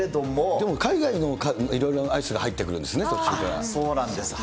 でも海外にも、いろいろなアイスが入ってくるんですね、そうなんです。